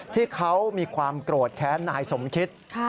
ที่เขามีความโกรธแค้นนายสมคิด